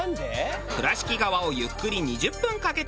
倉敷川をゆっくり２０分かけて巡る川舟